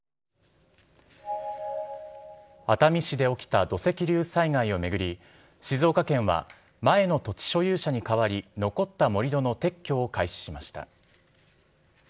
熱海市で起きた土石流災害を巡り、静岡県は、前の土地所有者に代わり、残った盛り土の撤去を開始しました。